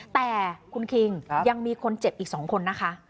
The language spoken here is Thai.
แต่คุณคิงยังมีคนเจ็บอีก๒คนนะคะ